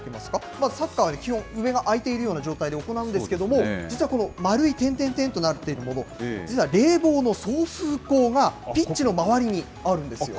まず、サッカー、基本、上が開いているような状態で行うんですけれども、実はこの丸い点点点となっているもの、実は冷房の送風口がピッチの周りにあるんですよ。